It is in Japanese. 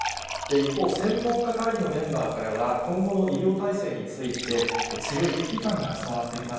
一方、専門家会議のメンバーからは今後の医療体制について、強い危機感が伝わってきます。